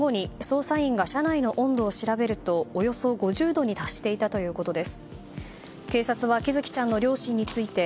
エアコンを切って２時間半後に捜査員が車内の温度を調べると、およそ５０度に達していたということです。